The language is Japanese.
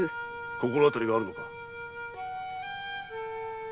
心当たりがあるのか。